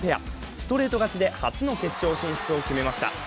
ストレート勝ちで初の決勝進出を決めました。